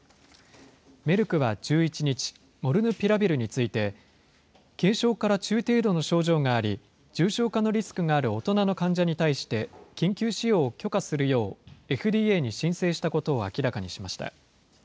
メルクは１１日、モルヌピラビルについて、軽症から中程度の症状があり、重症化のリスクがある大人の患者に対して、緊急使用を許可するよう、ＦＤＡに申請したことを明らかにしました。